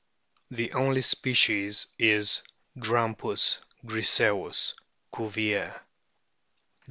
The only species is Grampiis griseiis, Cuvier.